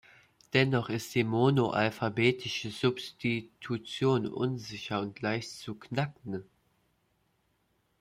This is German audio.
Dennoch ist die monoalphabetische Substitution unsicher und leicht zu „knacken“.